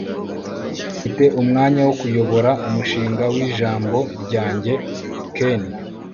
ufite umwanya wo kuyobora umushinga w'ijambo ryanjye, ken